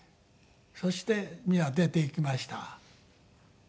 そして皆出て行きました。